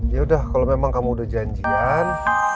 yaudah kalo memang kamu udah janjikan